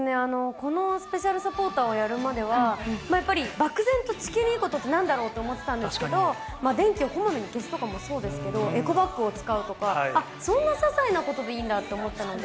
このスペシャルサポーターをやるまでは、やっぱり漠然と地球にいいことってなんだろうと思ってたんですけど、電気をこまめに消すとかもそうですけど、エコバッグを使うとか、そんなささいなことでいいんだと思ったので。